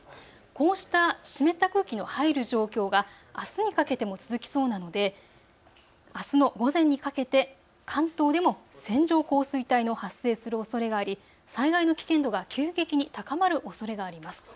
こうした湿った空気の入る状況があすにかけても続きそうなのであすの午前にかけて関東でも線状降水帯の発生するおそれがあり災害の危険度が急激に高まるおそれがあります。